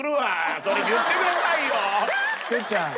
哲ちゃん